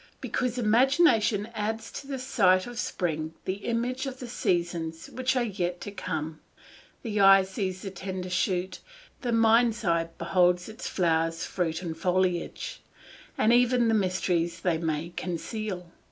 Because imagination adds to the sight of spring the image of the seasons which are yet to come; the eye sees the tender shoot, the mind's eye beholds its flowers, fruit, and foliage, and even the mysteries they may conceal.